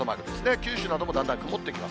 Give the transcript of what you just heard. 九州もだんだん曇ってきます。